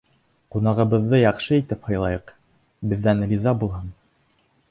Ҡунағыбыҙҙы яҡшы итеп һыйлайыҡ, беҙҙән риза булһын.